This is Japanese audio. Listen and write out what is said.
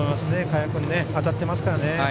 賀谷君、当たっていますからね。